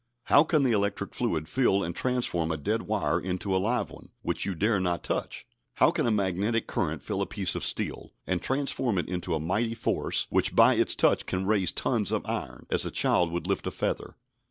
How can the electric fluid fill and transform a dead wire into a live one, which you dare not touch? How can a magnetic current fill a piece of steel, and transform it into a mighty force which by its touch can raise tons of iron, as a child would lift a feather?